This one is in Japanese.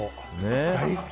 大好き。